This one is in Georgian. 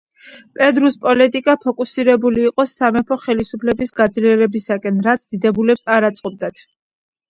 პედრუს პოლიტიკა ფოკუსირებული იყო სამეფო ხელისუფლების გაძლიერებისაკენ, რაც დიდებულებს არ აწყობდათ.